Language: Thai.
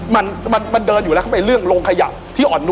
มันมันเดินอยู่แล้วเข้าไปเรื่องโรงขยะที่อ่อนน้อ